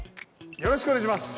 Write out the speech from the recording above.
よろしくお願いします。